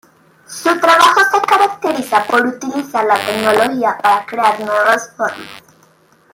Su trabajo se caracteriza por utilizar la tecnología para crear nuevas formas.